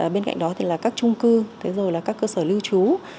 bên cạnh đó thì là các trung cư các cơ sở lưu trú